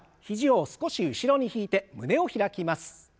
肘を少し後ろに引いて胸を開きます。